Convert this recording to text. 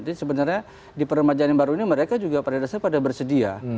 jadi sebenarnya di permajaan yang baru ini mereka pada dasarnya pada bersedia